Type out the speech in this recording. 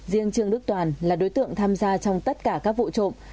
riêng trương đức toàn là đối tượng tham gia trong tất cả các vụ trộm